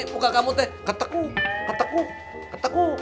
masalah kamu teh keteku keteku keteku